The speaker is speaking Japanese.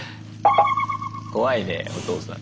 怖いねおとうさん。